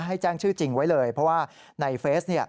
ให้แจ้งชื่อจริงไว้เลยเพราะว่าในเฟซเนี่ย